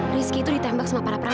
loh itu apaan mira